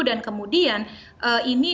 dan kemudian ini